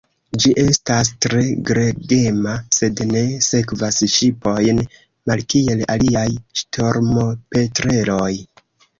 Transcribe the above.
Ĝi estas tre gregema, sed ne sekvas ŝipojn, malkiel aliaj ŝtormopetreloj.